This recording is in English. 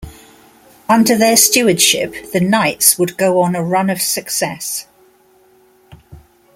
Under their stewardship the Knights would go on a run of success.